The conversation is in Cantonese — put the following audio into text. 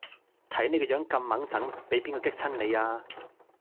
睇你個樣咁䒐䒏畀邊個激親你呀